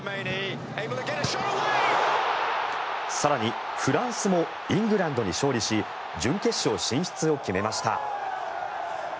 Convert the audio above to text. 更に、フランスもイングランドに勝利し準決勝進出を決めました。